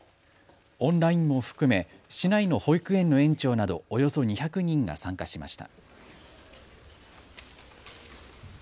オンラインも含め、市内の保育園の園長などおよそ２００人が参加しました。